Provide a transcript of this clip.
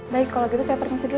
baik kalau gitu saya pergi ke situ